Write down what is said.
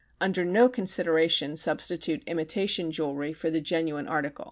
Under no consideration substitute imitation jewelry for the genuine article.